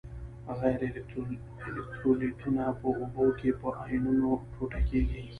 غیر الکترولیتونه په اوبو کې په آیونونو نه ټوټه کیږي.